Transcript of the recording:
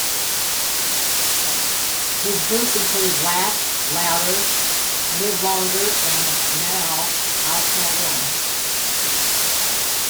His books include "Laugh Louder, Live Longer" and "Now I'll Tell One".